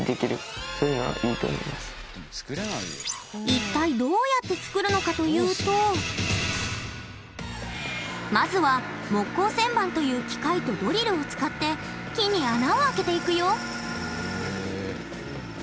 一体どうやって作るのかというとまずは木工旋盤という機械とドリルを使って木に穴を開けていくよ！